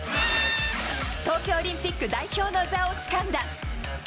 東京オリンピック代表の座をつかんだ。